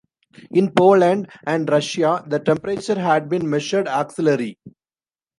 In Poland and Russia, the temperature had been measured axillary.